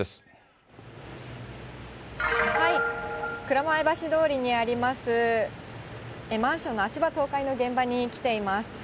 蔵前橋通りにあります、マンションの足場倒壊の現場に来ています。